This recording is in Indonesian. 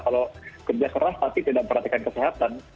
kalau kerja keras tapi tidak perhatikan kesehatan